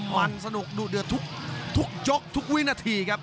มันสนุกดูดเดือดทุกยกทุกวินาทีครับ